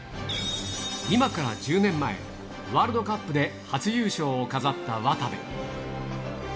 今から１０年前、ワールドカップで初優勝を飾った渡部。